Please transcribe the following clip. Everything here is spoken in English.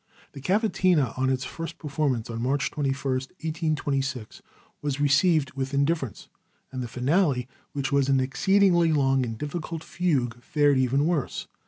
The Cavatina on its first performance, on March 21, 1826, was received with indifference, and the finale, which was an exceedingly long and difficult fugue, fared even worse.